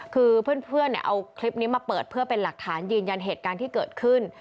คือเพื่อนเอาคลิปนี้มาเปิดเพื่อเป็นหลักฐานยืนยันเหตุการณ์ที่เกิดขึ้น